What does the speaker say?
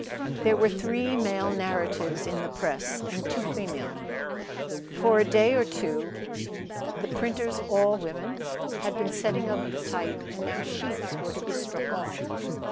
There were three male narratives in the press and two female. For a day or two past the printers (all women) had been setting up the type and now the sheets were to be struck off.